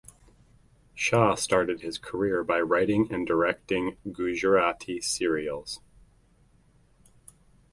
Shah started his career by writing and directing Gujarati serials.